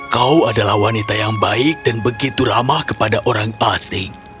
kau adalah wanita yang baik dan begitu ramah kepada orang asing